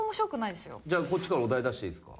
じゃあこっちからお題出していいですか？